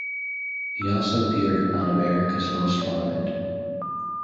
He also appeared on "America's Most Wanted".